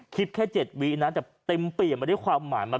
คลิปแค่๗วีนะแต่เต็มเปียนไม่ได้ความหมายมาก